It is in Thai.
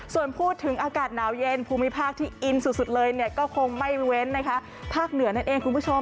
ส่วนพูดถึงอากาศหนาวเย็นภูมิภาคที่อินสุดเลยเนี่ยก็คงไม่เว้นนะคะภาคเหนือนั่นเองคุณผู้ชม